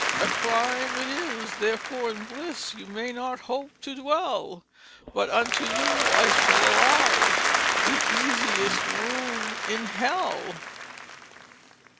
A Crime it is, therefore in bliss you may not hope to dwell; But unto you I shall allow the easiest room in Hell."